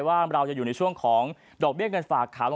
ว่าเราจะอยู่ในช่วงของดอกเบี้ยเงินฝากเขา